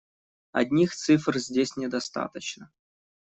Одних цифр здесь недостаточно.